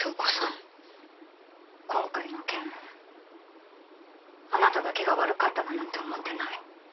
今回の件あなただけが悪かっただなんて思ってない。